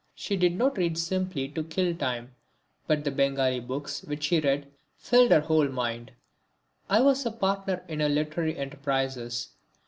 She did not read simply to kill time, but the Bengali books which she read filled her whole mind. I was a partner in her literary enterprises.